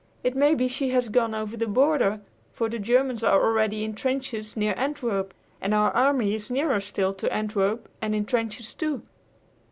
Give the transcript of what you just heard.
It may be she has gone over the border; for the Germans are already in trenches near Antwerp, and our army is nearer still to Antwerp and in trenches, too.